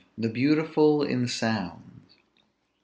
THE BEAUTIFUL IN SOUNDS.